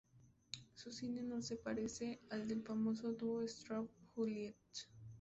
Su cine no se parece al del famoso dúo Straub-Huillet.